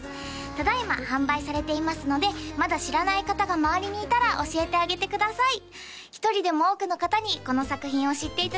ただ今販売されていますのでまだ知らない方が周りにいたら教えてあげてください